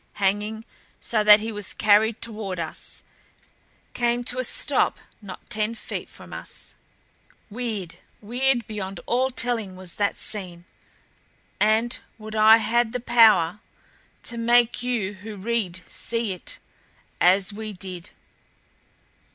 Hanging so he was carried toward us, came to a stop not ten feet from us Weird, weird beyond all telling was that scene and would I had the power to make you who read see it as we did.